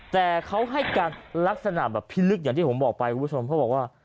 แต่เขาให้การลักษณะแบบภิลึกอย่างที่ผมบอกไปเพื่อเพราะบอกว่า